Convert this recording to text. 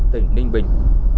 tỉnh ninh bình